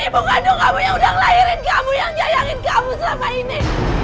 yang menyayangi kamu ini bukan dong kamu yang udah ngelahirin kamu yang nyayangin kamu selama ini